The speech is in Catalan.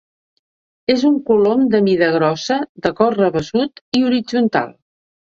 És un colom de mida grossa, de cos rabassut i horitzontal.